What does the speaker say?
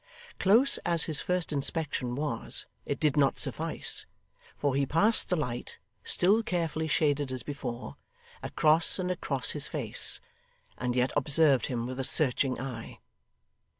Close as his first inspection was, it did not suffice, for he passed the light, still carefully shaded as before, across and across his face, and yet observed him with a searching eye.